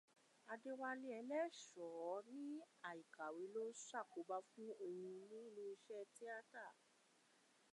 Adéwálé Ẹlẹ́ṣọ̀ọ́ ní àìkàwé ló ṣàkóbá fún òun nínú iṣẹ́ tíátà.